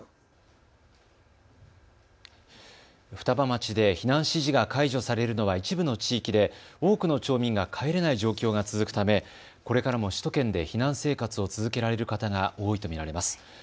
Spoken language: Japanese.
双葉町で避難指示が解除されるのは一部の地域で多くの町民が帰れない状況が続くためこれからも首都圏で避難生活を続けられる方が多いと見られます。